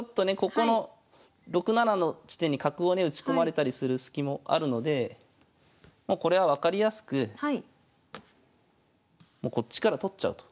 ここの６七の地点に角をね打ち込まれたりするスキもあるのでもうこれは分かりやすくもうこっちから取っちゃうと。